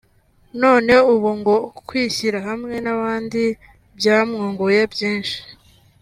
none ubu ngo kwishyira hamwe n’abandi byamwunguye byinshi